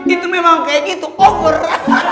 itu memang kayak gitu over